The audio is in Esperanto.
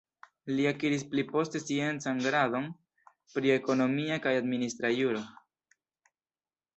Li akiris pli poste sciencan gradon pri ekonomia kaj administra juro.